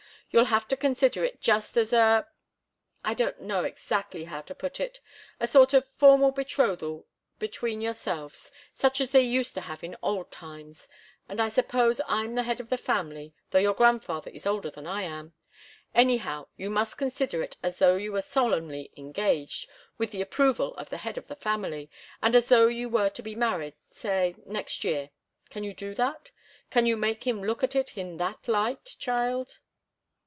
You'll have to consider it just as a I don't know exactly how to put it a sort of formal betrothal between yourselves, such as they used to have in old times. And I suppose I'm the head of the family, though your grandfather is older than I am. Anyhow, you must consider it as though you were solemnly engaged, with the approval of the head of the family, and as though you were to be married, say, next year. Can you do that? Can you make him look at it in that light, child?"